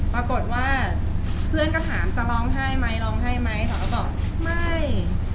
ปรากฏว่าเพื่อนก็ถามจะร้องไห้ไหมร้องไห้ไหมเขาก็บอกไม่